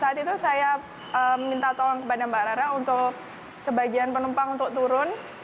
saat itu saya minta tolong kepada mbak rara untuk sebagian penumpang untuk turun